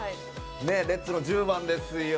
ねえレッズの１０番ですよ。